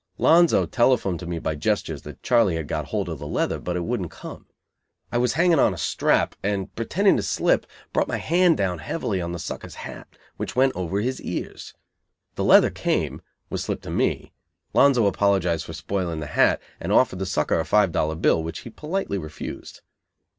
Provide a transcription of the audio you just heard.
Lonzo telephoned to me by gestures that Charlie had hold of the leather, but it wouldn't come. I was hanging on a strap, and, pretending to slip, brought my hand down heavily on the sucker's hat, which went over his ears. The leather came, was slipped to me, Lonzo apologized for spoiling the hat and offered the sucker a five dollar bill, which he politely refused.